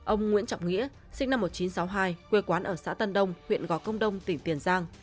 ông nguyễn trọng nghĩa sinh năm một nghìn chín trăm sáu mươi hai quê quán ở xã tân đông huyện gò công đông tỉnh tiền giang